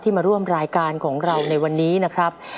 มาร่วมรายการของเราในวันนี้นะครับ